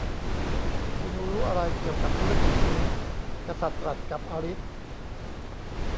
'คุณรู้อะไรเกี่ยวกับธุรกิจนี้' กษัตริย์ตรัสกับอลิซ